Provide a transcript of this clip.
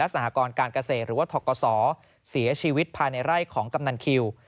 สหกรการเกษตรหรือว่าทกศเสียชีวิตภายในไร่ของกำนันคิว